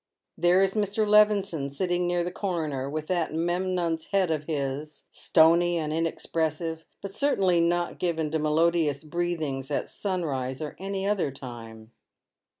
There is Mr. Levison sitting near the Coroner, with that Memnon's head of his, stony and inexpressive, but certainly not given to melodious breatli ings at sunrise or any other time.